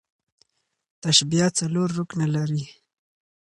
تشبیه څلور رکنه لري.